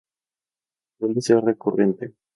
Suele ser recurrente.